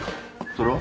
それは？